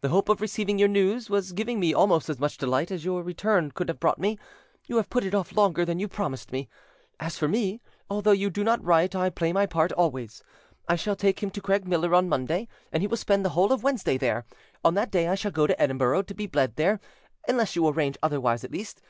The hope of receiving your news was giving me almost as much delight as your return could have brought me: you have put it off longer than you promised me. As for me, although you do not write, I play my part always. I shall take him to Craigmiller on Monday, and he will spend the whole of Wednesday there. On that day I shall go to Edinburgh to be bled there, unless you arrange otherwise at least.